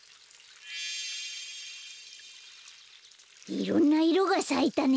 いろんないろがさいたね。